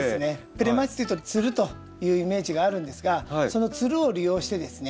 クレマチスっていうとつるというイメージがあるんですがそのつるを利用してですね